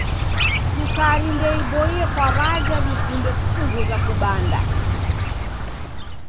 Sukari ndeiboie kwa w'aja w'ikunde kupunguza kubanda.